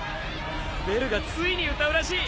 ベルがついに歌うらしい。